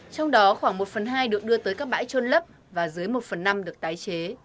trong đó khoảng một phần hai được đưa tới các bãi trôn lấp và dưới một phần năm được tái chế